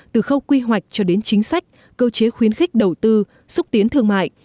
từ khâu quy hoạch cho đến chính sách cơ chế khuyến khích đầu tư xúc tiến thương mại